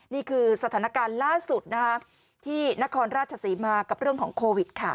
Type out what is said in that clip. นี่คือสถานการณ์ล่าสุดที่นครราชศรีมากับเรื่องของโควิดค่ะ